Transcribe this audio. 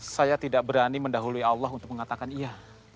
saya tidak berani mendahului allah untuk mengatakan iya